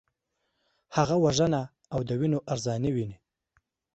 هغه وژنه او د وینو ارزاني ویني.